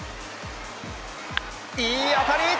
いい当たり！